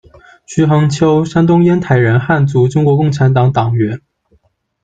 徐恒秋，山东烟台人，汉族，中国共产党党员。